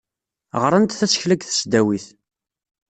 Ɣrant tasekla deg tesdawit.